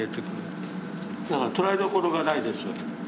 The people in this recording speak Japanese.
だからとらえどころがないですよ